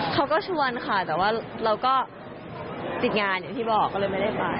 เขาก็ชวนค่ะแต่ว่าเราก็ติดงานอย่างที่บอกก็เลยไม่ได้ไป